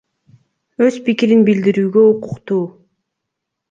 Өз пикирин билдирүүгө укуктуу.